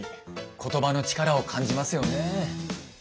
ことばの力を感じますよねえ。